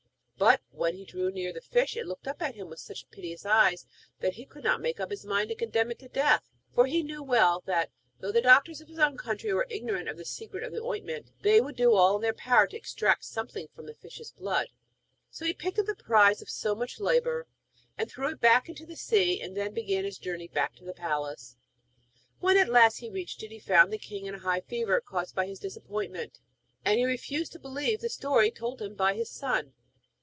But when he drew near the fish it looked up at him with such piteous eyes that he could not make up his mind to condemn it to death. For he knew well that, though the doctors of his own country were ignorant of the secret of the ointment, they would do all in their power to extract something from the fish's blood. So he picked up the prize of so much labour, and threw it back into the sea, and then began his journey back to the palace. When at last he reached it he found the king in a high fever, caused by his disappointment, and he refused to believe the story told him by his son.